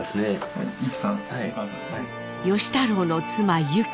芳太郎の妻ユキ。